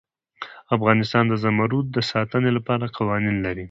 افغانستان د زمرد د ساتنې لپاره قوانین لري.